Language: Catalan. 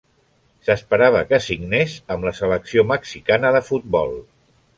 S'esperava que signés amb la selecció mexicana de futbol.